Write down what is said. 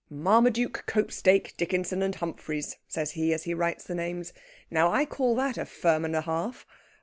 "Marmaduke, Copestake, Dickinson, and Humphreys," says he, as he writes the names. "Now I call that a firm and a half.